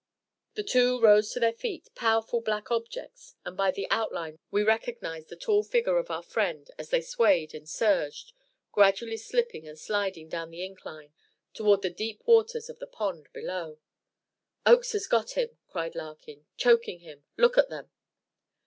The two rose to their feet, powerful black objects, and by the outline we recognized the tall figure of our friend as they swayed and surged, gradually slipping and sliding down the incline, toward the deep waters of the pond below. "Oakes has got him," cried Larkin, "choking him. Look at them!"